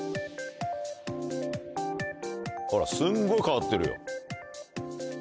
ほらすんごい変わってるよ。